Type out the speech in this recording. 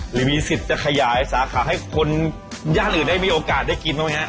หรือมีสิทธิ์จะขยายสาขาให้คนย่านอื่นได้มีโอกาสได้กินบ้างไหมฮะ